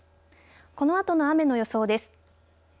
このあとの雨の予想です。